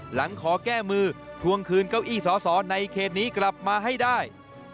หลังขอแก้มือทวงคืนเก้าอี้สอสอในเขตนี้กลับมาให้ได้